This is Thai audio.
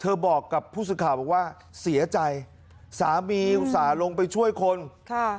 เธอบอกกับผู้ศึกฐาว่าเสียใจสามีอุตส่าห์ลงไปช่วยคนครับ